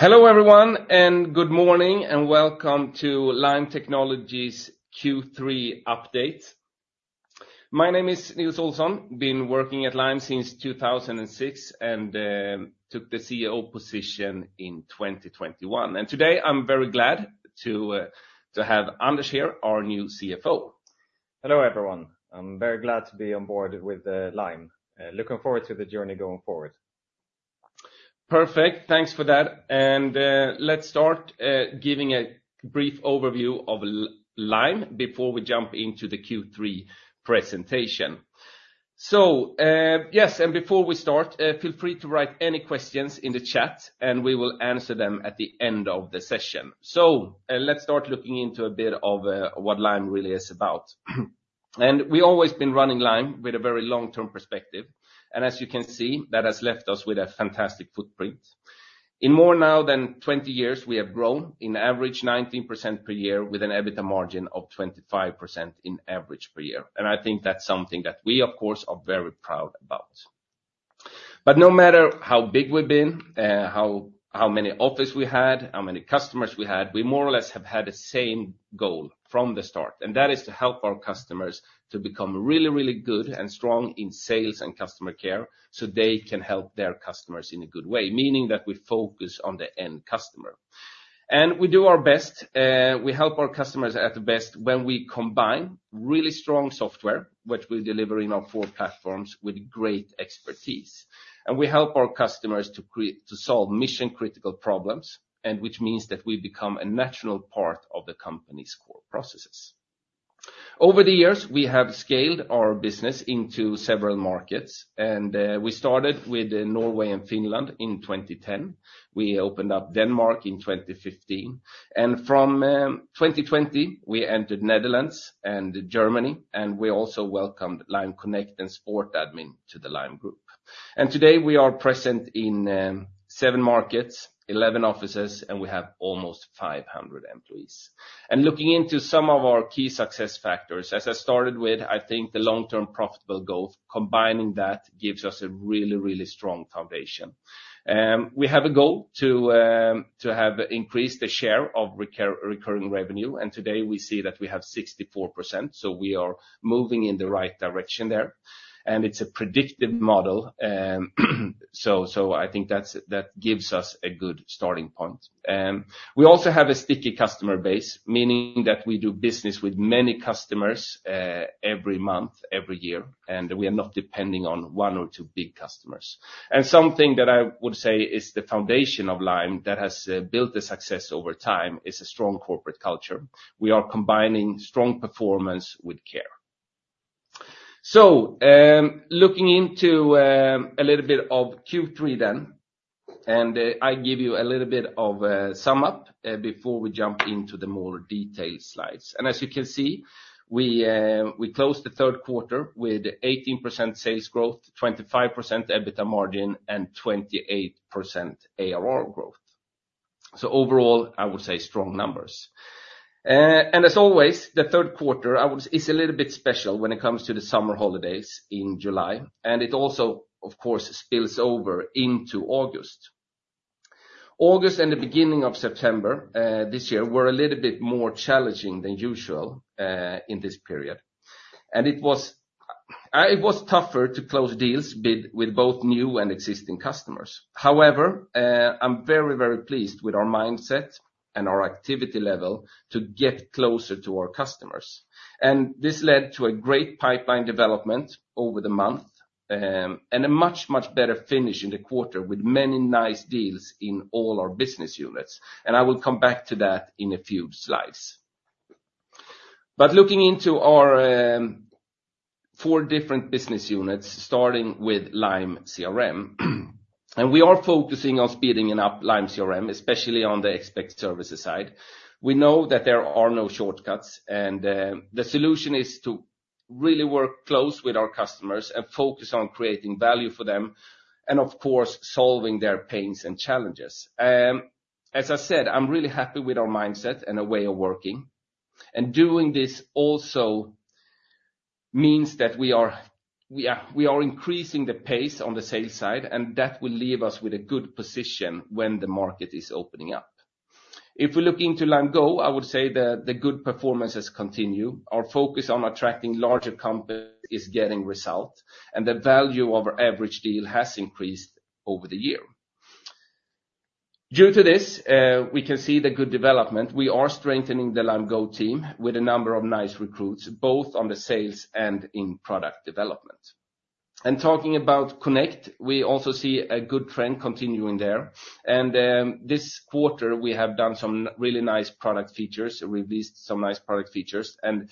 Hello, everyone, and good morning, and welcome to Lime Technologies Q3 update. My name is Nils Olsson. Been working at Lime since 2006, and took the CEO position in 2021, and today, I'm very glad to have Anders here, our new CFO. Hello, everyone. I'm very glad to be on board with Lime. Looking forward to the journey going forward. Perfect. Thanks for that, and let's start giving a brief overview of Lime before we jump into the Q3 presentation. So, yes, and before we start, feel free to write any questions in the chat, and we will answer them at the end of the session. So, let's start looking into a bit of what Lime really is about, and we always been running Lime with a very long-term perspective, and as you can see, that has left us with a fantastic footprint. In more than 20 years now, we have grown on average 19% per year with an EBITDA margin of 25% on average per year, and I think that's something that we, of course, are very proud about. But no matter how big we've been, how many offices we had, how many customers we had, we more or less have had the same goal from the start, and that is to help our customers to become really, really good and strong in sales and customer care, so they can help their customers in a good way, meaning that we focus on the end customer. And we do our best, we help our customers at the best when we combine really strong software, which we deliver in our four platforms, with great expertise. And we help our customers to solve mission-critical problems, and which means that we become a natural part of the company's core processes. Over the years, we have scaled our business into several markets, and we started with Norway and Finland in 2010. We opened up Denmark in 2015, and from 2020, we entered Netherlands and Germany, and we also welcomed Lime Connect and SportAdmin to the Lime Group. Today, we are present in seven markets, 11 offices, and we have almost 500 employees. Looking into some of our key success factors, as I started with, I think the long-term profitable growth, combining that gives us a really, really strong foundation. We have a goal to have increased the share of recurring revenue, and today, we see that we have 64%, so we are moving in the right direction there. It's a predictive model, so I think that gives us a good starting point. We also have a sticky customer base, meaning that we do business with many customers every month, every year, and we are not depending on one or two big customers. And something that I would say is the foundation of Lime that has built the success over time is a strong corporate culture. We are combining strong performance with care. So, looking into a little bit of Q3 then, and I give you a little bit of a sum up before we jump into the more detailed slides. And as you can see, we closed the third quarter with 18% sales growth, 25% EBITDA margin, and 28% ARR growth. So overall, I would say strong numbers. And as always, the third quarter is a little bit special when it comes to the summer holidays in July, and it also, of course, spills over into August. August and the beginning of September, this year, were a little bit more challenging than usual in this period. And it was tougher to close deals with both new and existing customers. However, I'm very, very pleased with our mindset and our activity level to get closer to our customers. And this led to a great pipeline development over the month, and a much, much better finish in the quarter, with many nice deals in all our business units, and I will come back to that in a few slides. But looking into our four different business units, starting with Lime CRM. And we are focusing on speeding up Lime CRM, especially on the Expert Services side. We know that there are no shortcuts, and the solution is to really work close with our customers and focus on creating value for them, and of course, solving their pains and challenges. As I said, I'm really happy with our mindset and our way of working. And doing this also means that we are increasing the pace on the sales side, and that will leave us with a good position when the market is opening up. If we look into Lime Go, I would say the good performances continue. Our focus on attracting larger companies is getting results, and the value of our average deal has increased over the year. Due to this, we can see the good development. We are strengthening the Lime Go team with a number of nice recruits, both on the sales and in product development. And talking about Connect, we also see a good trend continuing there. And this quarter, we have done some really nice product features, released some nice product features. And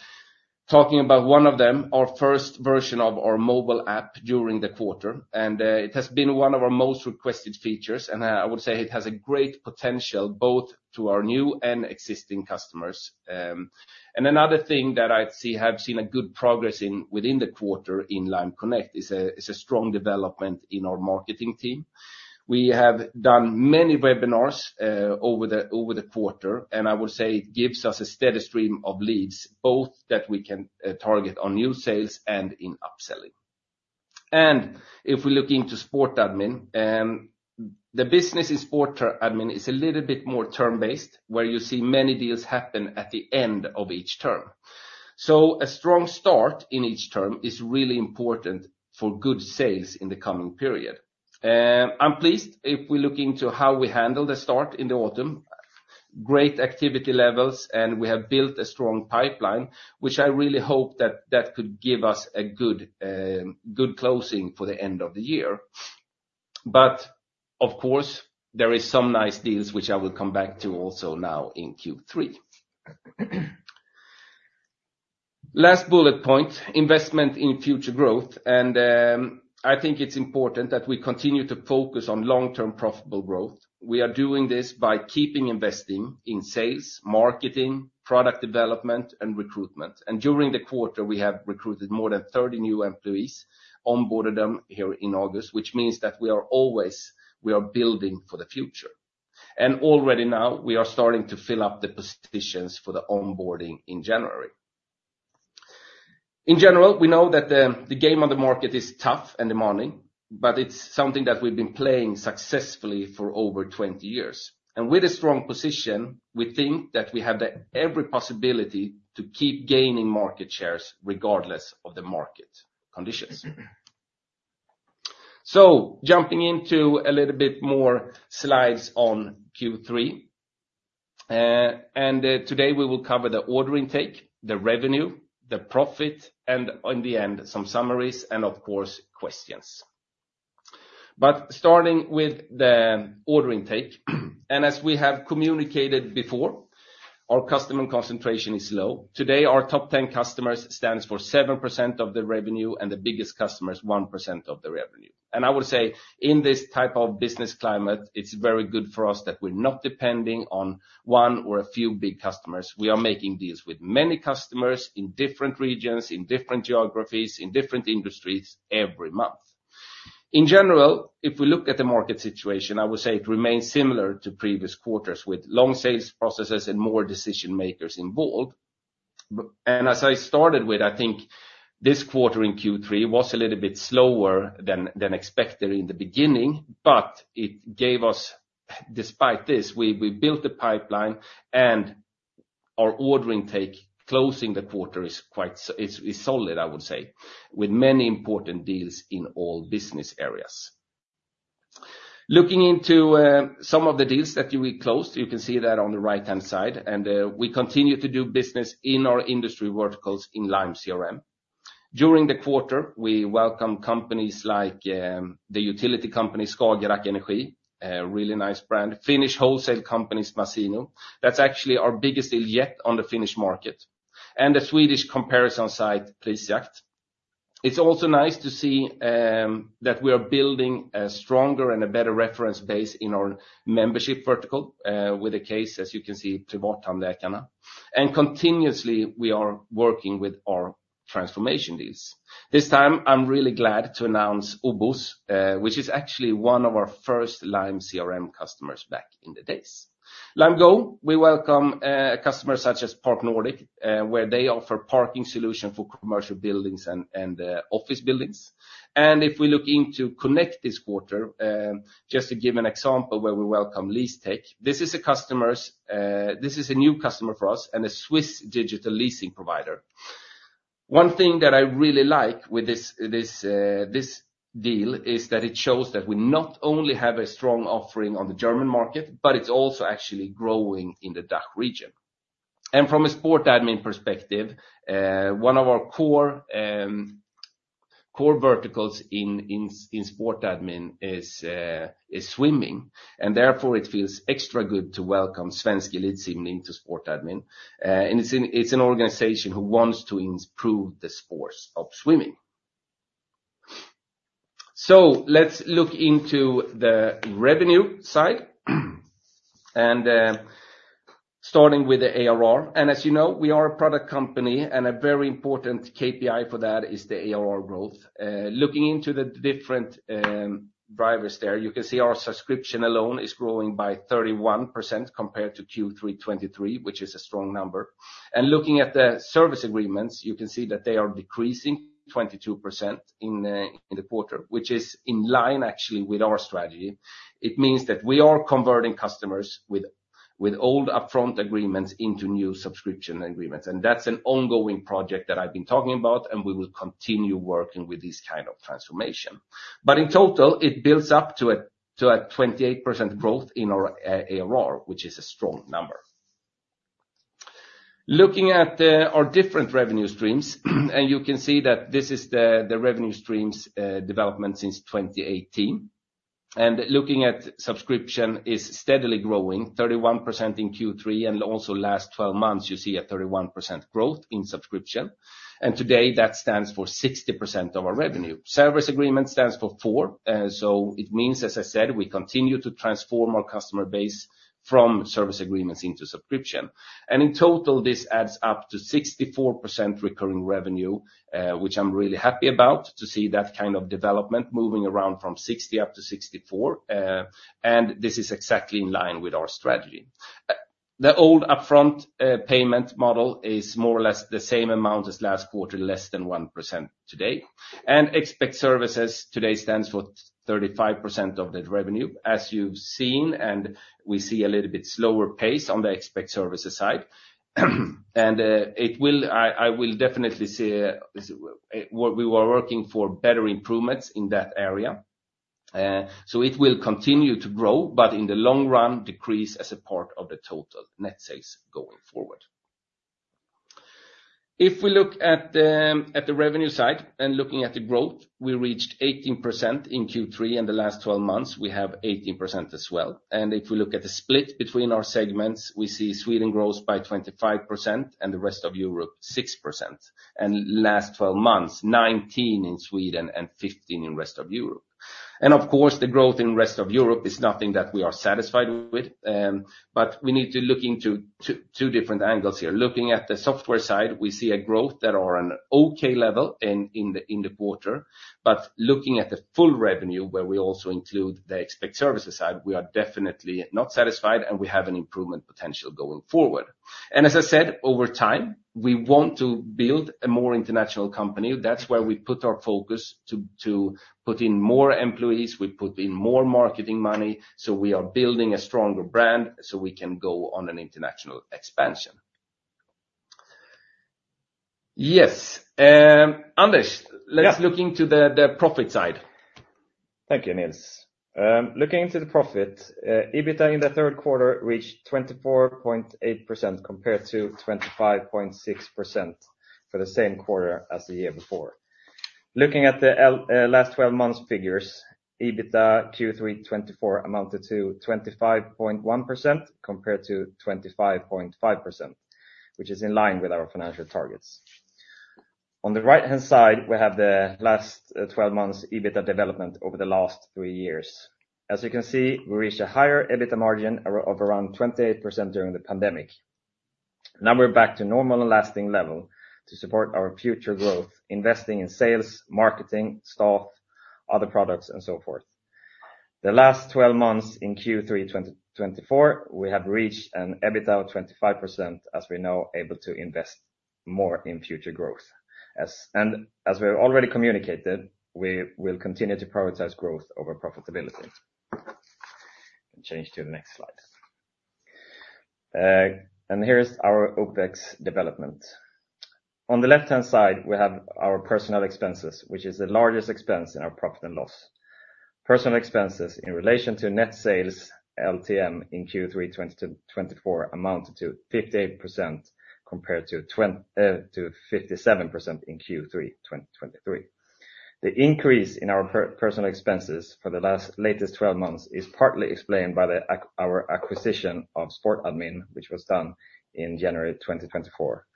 talking about one of them, our first version of our mobile app during the quarter, and it has been one of our most requested features, and I would say it has a great potential both to our new and existing customers. And another thing that I'd have seen a good progress within the quarter in Lime Connect is a strong development in our marketing team. We have done many webinars over the quarter, and I would say it gives us a steady stream of leads, both that we can target on new sales and in upselling. And if we look into SportAdmin, the business in SportAdmin is a little bit more term-based, where you see many deals happen at the end of each term. So a strong start in each term is really important for good sales in the coming period. I'm pleased if we look into how we handle the start in the autumn, great activity levels, and we have built a strong pipeline, which I really hope that could give us a good closing for the end of the year. But of course, there is some nice deals which I will come back to also now in Q3. Last bullet point, investment in future growth, and I think it's important that we continue to focus on long-term profitable growth. We are doing this by keeping investing in sales, marketing, product development, and recruitment. And during the quarter, we have recruited more than 30 new employees, onboarded them here in August, which means that we are building for the future. And already now, we are starting to fill up the positions for the onboarding in January. In general, we know that the game on the market is tough in the Nordics, but it's something that we've been playing successfully for over 20 years. And with a strong position, we think that we have every possibility to keep gaining market shares regardless of the market conditions. So jumping into a little bit more slides on Q3. Today, we will cover the order intake, the revenue, the profit, and on the end, some summaries, and of course, questions, but starting with the order intake, and as we have communicated before, our customer concentration is low. Today, our top 10 customers stands for 7% of the revenue, and the biggest customer is 1% of the revenue, and I would say, in this type of business climate, it's very good for us that we're not depending on one or a few big customers. We are making deals with many customers in different regions, in different geographies, in different industries every month. In general, if we look at the market situation, I would say it remains similar to previous quarters, with long sales processes and more decision-makers involved. As I started with, I think this quarter in Q3 was a little bit slower than expected in the beginning, but it gave us—despite this, we built the pipeline, and our order intake closing the quarter is quite solid, I would say, with many important deals in all business areas. Looking into some of the deals that we closed, you can see that on the right-hand side, and we continue to do business in our industry verticals in Lime CRM. During the quarter, we welcome companies like the utility company, Skagerak Energi, a really nice brand, Finnish wholesale companies, Masino. That's actually our biggest deal yet on the Finnish market, and the Swedish comparison site, Prisjakt. It's also nice to see that we are building a stronger and a better reference base in our membership vertical with a case, as you can see, Privattandläkarna, and continuously, we are working with our transformation deals. This time, I'm really glad to announce OBOS, which is actually one of our first Lime CRM customers back in the days. Also, we welcome customers such as ParkNordic, where they offer parking solution for commercial buildings and office buildings, and if we look into Lime Connect this quarter, just to give an example where we welcome LeaseTeq. This is a new customer for us and a Swiss digital leasing provider. One thing that I really like with this deal is that it shows that we not only have a strong offering on the German market, but it's also actually growing in the DACH region. And from a SportAdmin perspective, one of our core verticals in SportAdmin is swimming, and therefore, it feels extra good to welcome Svenska Simning to SportAdmin. And it's an organization who wants to improve the sports of swimming. So let's look into the revenue side, and starting with the ARR. And as you know, we are a product company, and a very important KPI for that is the ARR growth. Looking into the different drivers there, you can see our subscription alone is growing by 31% compared to Q3 2023, which is a strong number. Looking at the service agreements, you can see that they are decreasing 22% in the quarter, which is in line, actually, with our strategy. It means that we are converting customers with old upfront agreements into new subscription agreements, and that's an ongoing project that I've been talking about, and we will continue working with this kind of transformation. In total, it builds up to a 28% growth in our ARR, which is a strong number. Looking at our different revenue streams, and you can see that this is the revenue streams development since 2018. Looking at subscription is steadily growing, 31% in Q3, and also last twelve months, you see a 31% growth in subscription. Today, that stands for 60% of our revenue. Service agreement stands for 4%, so it means, as I said, we continue to transform our customer base from service agreements into subscription. And in total, this adds up to 64% recurring revenue, which I'm really happy about, to see that kind of development moving around from 60 up to 64, and this is exactly in line with our strategy. The old upfront payment model is more or less the same amount as last quarter, less than 1% today. And Expert Services today stands for 35% of the revenue, as you've seen, and we see a little bit slower pace on the Expert Services side. And it will. I will definitely say what we were working for better improvements in that area. So it will continue to grow, but in the long run, decrease as a part of the total net sales going forward. If we look at the revenue side, and looking at the growth, we reached 18% in Q3, and the last 12 months, we have 18% as well. And if we look at the split between our segments, we see Sweden grows by 25%, and the rest of Europe, 6%. And last 12 months, 19% in Sweden and 15% in rest of Europe. And of course, the growth in rest of Europe is nothing that we are satisfied with, but we need to look into two different angles here. Looking at the software side, we see a growth that are on an okay level in the quarter. But looking at the full revenue, where we also include the Expert Services side, we are definitely not satisfied, and we have an improvement potential going forward. And as I said, over time, we want to build a more international company. That's where we put our focus to, to put in more employees, we put in more marketing money, so we are building a stronger brand, so we can go on an international expansion. Yes, Anders- Yeah. Let's look into the profit side. Thank you, Nils. Looking into the profit, EBITDA in the third quarter reached 24.8%, compared to 25.6% for the same quarter as the year before. Looking at the last 12 months figures, EBITDA Q3 2024 amounted to 25.1%, compared to 25.5%, which is in line with our financial targets. On the right-hand side, we have the last 12 months EBITDA development over the last three years. As you can see, we reached a higher EBITDA margin of around 28% during the pandemic. Now we're back to normal and lasting level to support our future growth, investing in sales, marketing, staff, other products, and so forth. The last 12 months in Q3 2024, we have reached an EBITDA of 25%, as we're now able to invest more in future growth. And as we have already communicated, we will continue to prioritize growth over profitability. Change to the next slide, and here is our OpEx development. On the left-hand side, we have our personnel expenses, which is the largest expense in our profit and loss. Personnel expenses in relation to net sales LTM in Q3 2024 amounted to 58% compared to 57% in Q3 2023. The increase in our personnel expenses for the last twelve months is partly explained by our acquisition of SportAdmin, which was done in January 2024,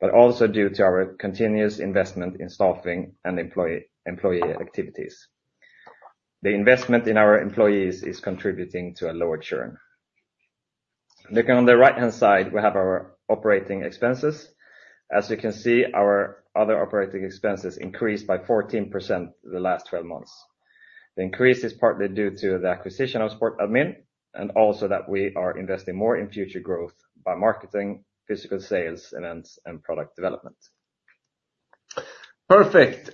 but also due to our continuous investment in staffing and employee activities. The investment in our employees is contributing to a lower churn. Looking on the right-hand side, we have our operating expenses. As you can see, our other operating expenses increased by 14% the last 12 months. The increase is partly due to the acquisition of SportAdmin, and also that we are investing more in future growth by marketing, physical sales, and product development. Perfect.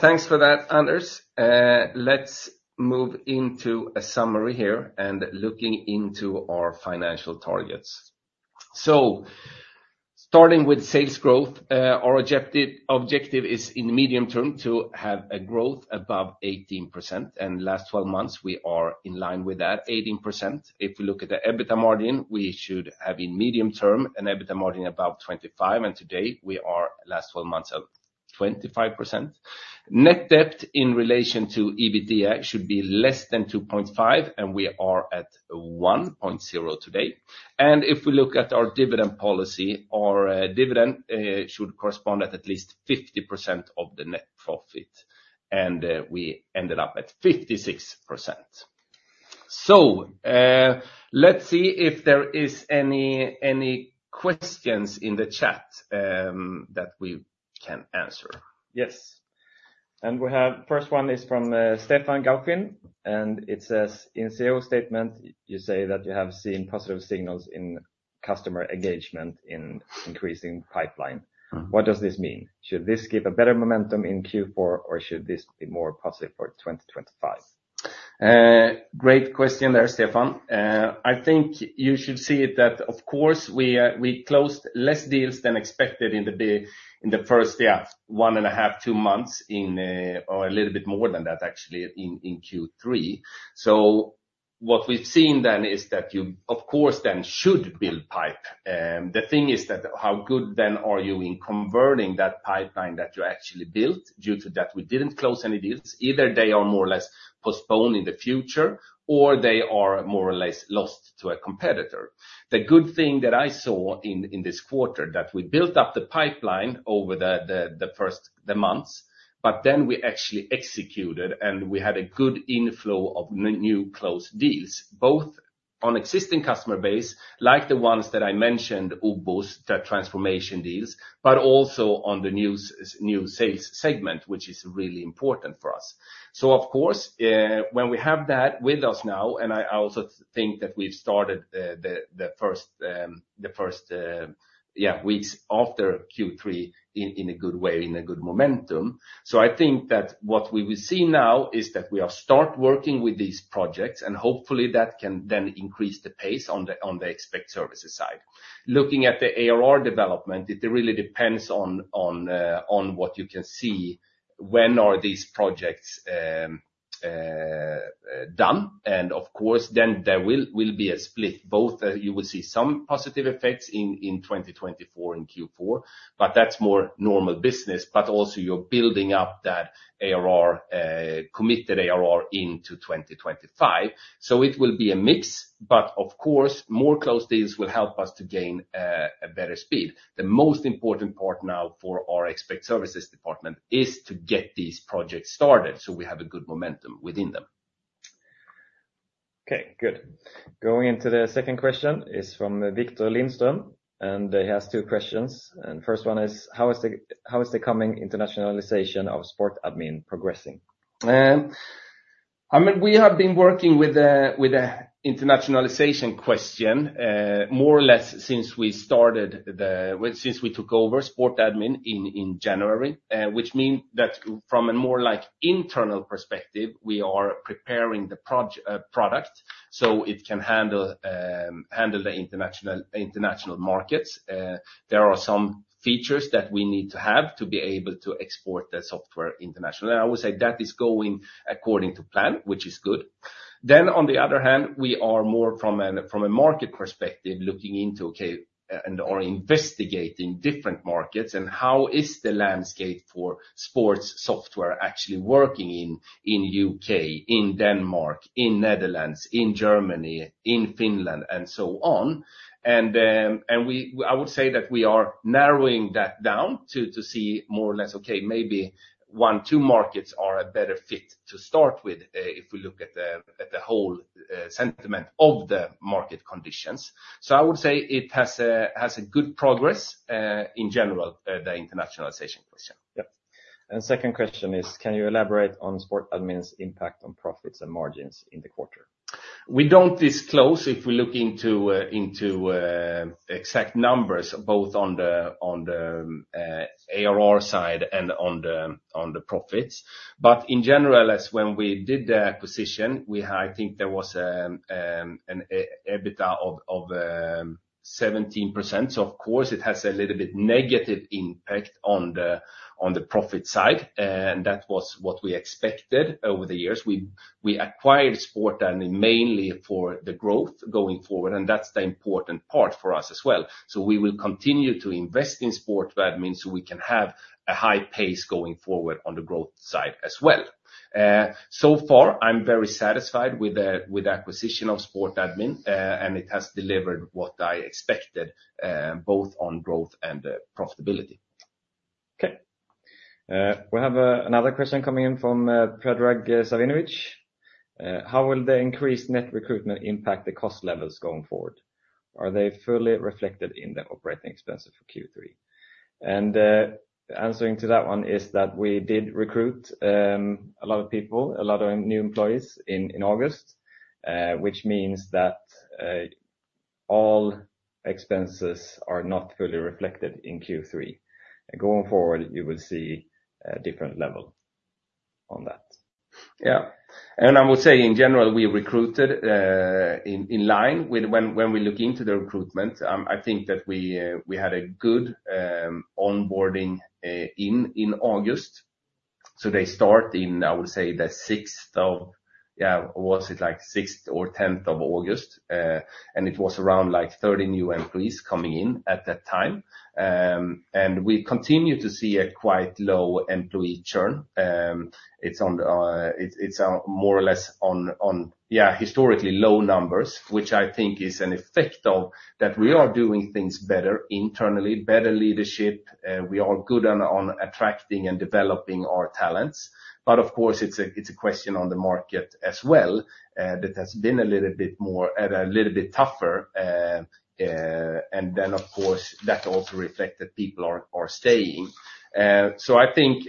Thanks for that, Anders. Let's move into a summary here and looking into our financial targets. Starting with sales growth, our objective is, in the medium term, to have a growth above 18%, and last twelve months, we are in line with that 18%. If we look at the EBITDA margin, we should have in medium term an EBITDA margin above 25%, and today we are last twelve months of 25%. Net debt in relation to EBITDA should be less than 2.5, and we are at 1.0 today, and if we look at our dividend policy, our dividend should correspond at least 50% of the net profit, and we ended up at 56%. Let's see if there is any questions in the chat, that we can answer. Yes. And we have, first one is from Stefan Gauffin, and it says, in CEO statement, you say that you have seen positive signals in customer engagement and increasing pipeline. Mm-hmm. What does this mean? Should this give a better momentum in Q4, or should this be more positive for 2025? Great question there, Stefan. I think you should see it that, of course, we closed less deals than expected in the first, yeah, one and a half, two months, or a little bit more than that, actually, in Q3. So what we've seen then is that you, of course, then should build pipe. The thing is that how good then are you in converting that pipeline that you actually built? Due to that, we didn't close any deals. Either they are more or less postponed in the future, or they are more or less lost to a competitor. The good thing that I saw in this quarter, that we built up the pipeline over the first months, but then we actually executed, and we had a good inflow of new closed deals, both... On existing customer base, like the ones that I mentioned, OBOS, the transformation deals, but also on the new sales segment, which is really important for us. So of course, when we have that with us now, and I also think that we've started the first weeks after Q3 in a good way, in a good momentum. So I think that what we will see now is that we are start working with these projects, and hopefully that can then increase the pace on the Expert Services side. Looking at the ARR development, it really depends on what you can see, when are these projects done, and of course, then there will be a split. You will see some positive effects in 2024 in Q4, but that's more normal business, but also you're building up that ARR, committed ARR into 2025. So it will be a mix, but of course, more close deals will help us to gain a better speed. The most important part now for our Expert Services department is to get these projects started, so we have a good momentum within them. Okay, good. Going into the second question is from Victor Lindström, and he has two questions, and first one is: How is the coming internationalization of SportAdmin progressing? I mean, we have been working with the internationalization question more or less since we took over Sport Admin in January, which mean that from a more like internal perspective, we are preparing the product so it can handle the international markets. There are some features that we need to have to be able to export the software internationally. I would say that is going according to plan, which is good. Then, on the other hand, we are more from a market perspective looking into or investigating different markets and how is the landscape for sports software actually working in UK, in Denmark, in Netherlands, in Germany, in Finland, and so on. I would say that we are narrowing that down to see more or less, okay, maybe one, two markets are a better fit to start with, if we look at the whole sentiment of the market conditions. So I would say it has good progress in general, the internationalization question. Yep. Second question is, can you elaborate on SportAdmin's impact on profits and margins in the quarter? We don't disclose if we look into exact numbers, both on the ARR side and on the profits, but in general, as when we did the acquisition, we had, I think there was an EBITDA of 17%. So of course, it has a little bit negative impact on the profit side, and that was what we expected over the years. We acquired Sport Admin mainly for the growth going forward, and that's the important part for us as well, so we will continue to invest in Sport Admin so we can have a high pace going forward on the growth side as well, so far I'm very satisfied with the acquisition of Sport Admin, and it has delivered what I expected both on growth and profitability. Okay. We have another question coming in from Predrag Savinovic. How will the increased net recruitment impact the cost levels going forward? Are they fully reflected in the operating expenses for Q3? And answering to that one is that we did recruit a lot of people, a lot of new employees in August, which means that all expenses are not fully reflected in Q3. Going forward, you will see a different level on that. Yeah. And I would say, in general, we recruited in line with when we look into the recruitment. I think that we had a good onboarding in August. So they start in, I would say, the sixth of-- yeah, was it like sixth or tenth of August? And it was around like 30 new employees coming in at that time. And we continue to see a quite low employee churn. It's more or less on, yeah, historically low numbers, which I think is an effect of that we are doing things better internally, better leadership, we are good on attracting and developing our talents. But of course, it's a question on the market as well that has been a little bit more, a little bit tougher, and then, of course, that also reflect that people are staying. So I think,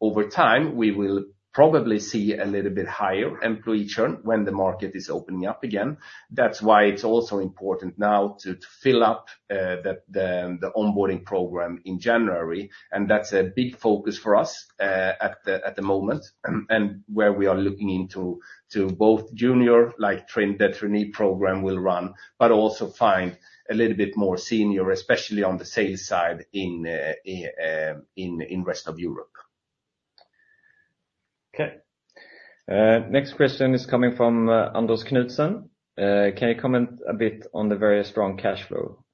over time, we will probably see a little bit higher employee churn when the market is opening up again. That's why it's also important now to fill up the onboarding program in January, and that's a big focus for us at the moment, and where we are looking into to both junior, like the trainee program will run, but also find a little bit more senior, especially on the sales side, in rest of Europe. Okay. Next question is coming from Anders Knutsson. Can you comment a bit on the very strong cash flow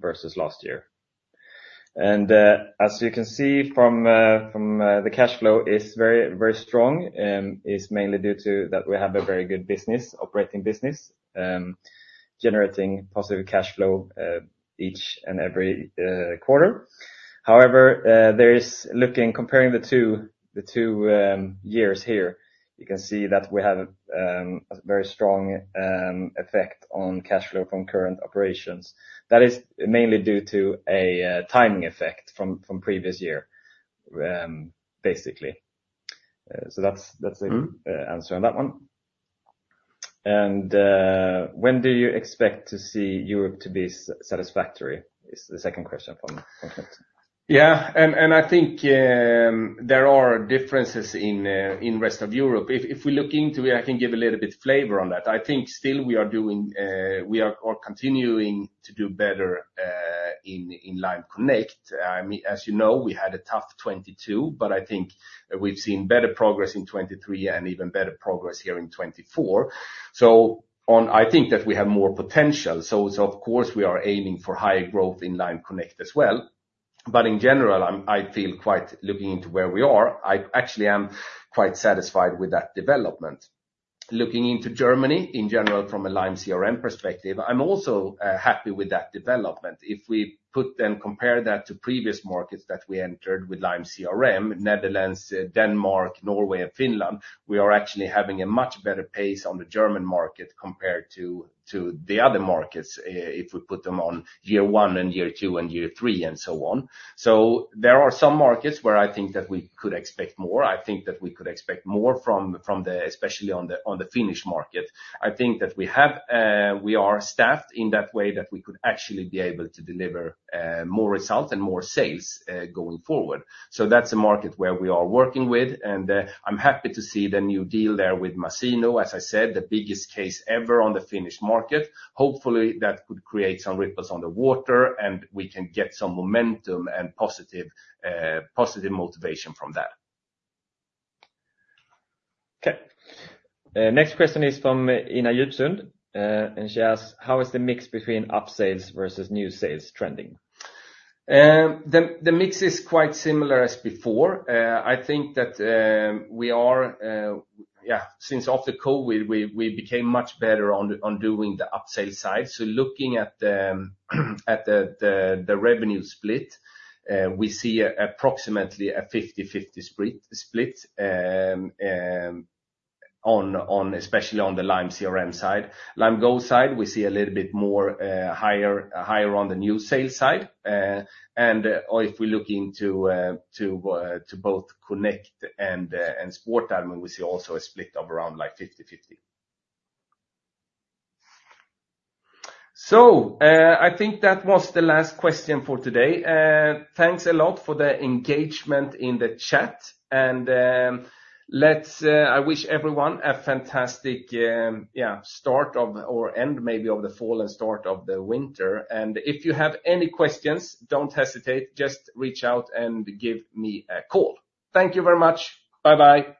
versus last year? And as you can see from the cash flow is very very strong is mainly due to that we have a very good business operating business generating positive cash flow each and every quarter. However there is looking comparing the two years here you can see that we have a very strong effect on cash flow from current operations. That is mainly due to a timing effect from previous year basically. So that's the- Mm-hmm... answer on that one. And, when do you expect to see Europe to be satisfactory? Is the second question from Yeah, and I think there are differences in rest of Europe. If we look into it, I can give a little bit flavor on that. I think still we are continuing to do better in Lime Connect. I mean, as you know, we had a tough 2022, but I think we've seen better progress in 2023, and even better progress here in 2024. So on... I think that we have more potential, so of course, we are aiming for higher growth in Lime Connect as well. But in general, I feel quite, looking into where we are, I actually am quite satisfied with that development. Looking into Germany, in general, from a Lime CRM perspective, I'm also happy with that development. If we put then compare that to previous markets that we entered with Lime CRM, Netherlands, Denmark, Norway, and Finland, we are actually having a much better pace on the German market compared to the other markets, if we put them on year one, and year two, and year three, and so on. So there are some markets where I think that we could expect more. I think that we could expect more from, especially on the Finnish market. I think that we are staffed in that way that we could actually be able to deliver more results and more sales going forward. So that's a market where we are working with, and I'm happy to see the new deal there with Masino. As I said, the biggest case ever on the Finnish market. Hopefully, that could create some ripples on the water, and we can get some momentum and positive, positive motivation from that. Okay. Next question is from Ina Julsrud, and she asks: "How is the mix between upsales versus new sales trending? The mix is quite similar as before. I think that we are since after COVID, we became much better on doing the upsell side. So looking at the revenue split, we see approximately a fifty-fifty split on especially on the Lime CRM side. Lime Go side, we see a little bit more higher on the new sales side. And/or if we look into to both Connect and SportAdmin, we see also a split of around, like, 5050. So, I think that was the last question for today. Thanks a lot for the engagement in the chat, and let's... I wish everyone a fantastic start of, or end, maybe, of the fall and start of the winter. And if you have any questions, don't hesitate, just reach out and give me a call. Thank you very much. Bye-bye.